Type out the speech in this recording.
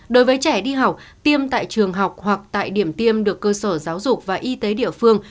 đối với trẻ đi học tiêm tại trường học hoặc tại điểm tiêm được cơ sở giáo dục và y tế địa phương